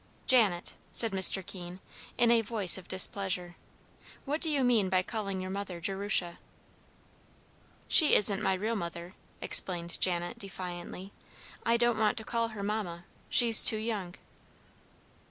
"Janet," said Mr. Keene, in a voice of displeasure, "what do you mean by calling your mother 'Jerusha'?" "She isn't my real mother," explained Janet, defiantly. "I don't want to call her 'Mamma;' she's too young."